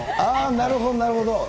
なるほど、なるほど。